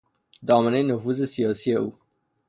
دامنهی نفوذ سیاسی او